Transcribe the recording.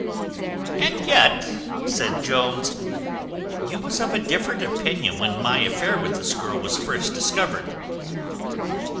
"And yet," said Jones, "you was of a different opinion when my affair with this girl was first discovered."